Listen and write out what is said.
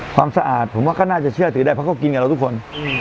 ความสะอาดผมว่าก็น่าจะเชื่อถือได้เพราะเขากินกับเราทุกคน